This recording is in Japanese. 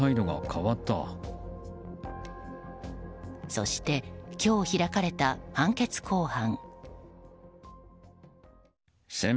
そして今日開かれた判決公判。